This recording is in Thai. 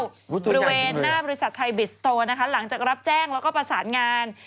บริเวณหน้าบริษัทไทยบิสโตนะคะหลังจากรับแจ้งแล้วก็ประสานงาน